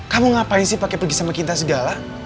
kamu ngapain sih pakai pergi sama kita segala